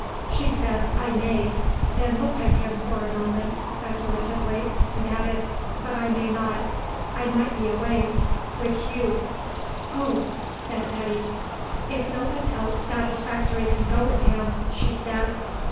She said "I may," then looked at him for a moment speculatively, and added, "But I may not. I might be away, with Hugh." "Oh," said Eddy. "If no one else satisfactory can go with him," she said.